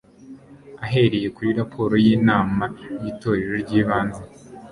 ahereye kuri raporo y inama y Itorero ry ibanze